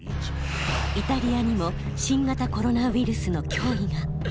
イタリアにも新型コロナウイルスの脅威が。